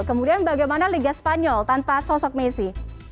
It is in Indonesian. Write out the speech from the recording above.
kemudian bagaimana liga spanyol tanpa sosok messi